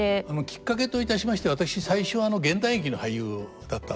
きっかけといたしまして私最初は現代劇の俳優だったんですよね。